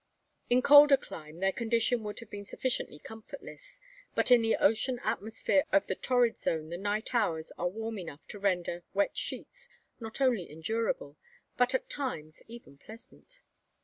In a colder clime their condition would have been sufficiently comfortless; but in the ocean atmosphere of the torrid zone the night hours are warm enough to render "wet sheets" not only endurable, but at times even pleasant.